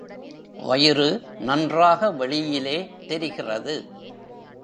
வயிறு நன்றாக வெளியிலே தெரிகிறது.